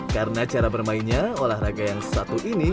karena cara bermainnya olahraga yang satu ini